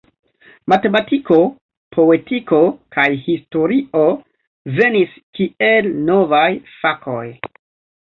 Matematiko, poetiko kaj historio venis kiel novaj fakoj.